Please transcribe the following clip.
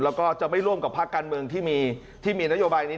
แล้วก็จะไม่ร่วมกับภาคการเมืองที่มีนโยบายนี้